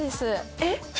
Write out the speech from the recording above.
えっ？